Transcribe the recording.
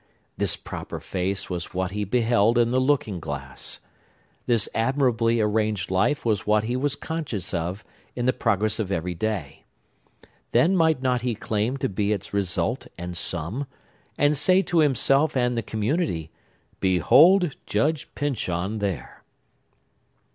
This proper face was what he beheld in the looking glass. This admirably arranged life was what he was conscious of in the progress of every day. Then might not he claim to be its result and sum, and say to himself and the community, "Behold Judge Pyncheon there"?